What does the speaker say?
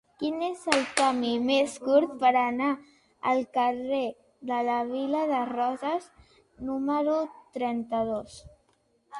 Quin és el camí més curt per anar al carrer de la Vila de Roses número trenta-dos?